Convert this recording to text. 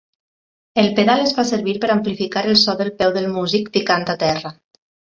El pedal es fa servir per amplificar el so del peu del músic picant a terra.